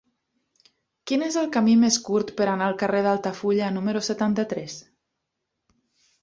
Quin és el camí més curt per anar al carrer d'Altafulla número setanta-tres?